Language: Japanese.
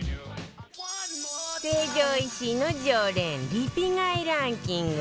成城石井の常連リピ買いランキング